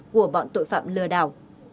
của bọn tội phạm lừa đảo